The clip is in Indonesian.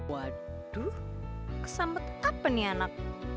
waduh kesambet apa nih anak